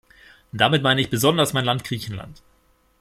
Damit meine ich besonders mein Land Griechenland.